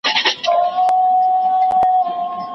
فعاله ښځې راتلونکی نسل سم لوري ته رهبري کوي.